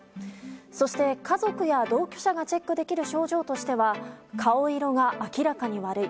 そして、家族や同居者がチェックできる症状としては顔色が明らかに悪い。